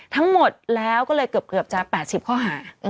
ทั้งหมดแล้วก็เลยเกือบจะ๘๐ข้อหา